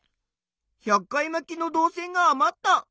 １００回まきの導線があまった。